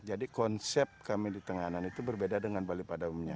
jadi konsep kami di tenganan itu berbeda dengan bali pada umumnya